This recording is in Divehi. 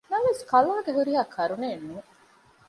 ނަމަވެސް ކަލާގެ ހުރިހާ ކަރުނައެއް ނޫން